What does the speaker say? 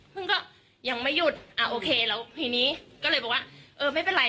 พึ่งก็ยังไม่หยุดอ่าโอเคแล้วทีนี้ก็เลยบอกว่าเออไม่เป็นไร